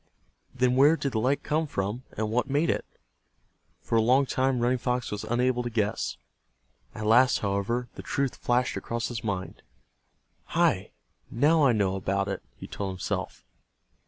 Then where did the light come from, and what made it? For a long time Running Fox was unable to guess. At last, however, the truth flashed across his mind. "Hi, now I know about it," he told himself.